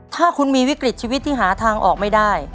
ถ้าคุณมีวิกฤตชีวิตที่หาทางออกไม่ได้